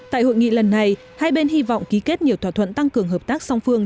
tại hội nghị lần này hai bên hy vọng ký kết nhiều thỏa thuận tăng cường hợp tác song phương